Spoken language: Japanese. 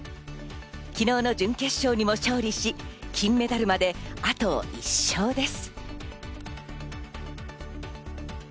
昨日の準決勝にも勝利し、金メダルまで、あと１勝です。